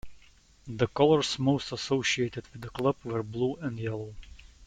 The colours most associated with the club were blue and yellow.